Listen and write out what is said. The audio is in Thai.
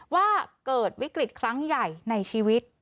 ว่าเกิดวิกฤตครั้งใหญ่ในชีวิต